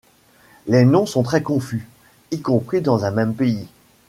Les noms sont très confus, y compris dans un même pays.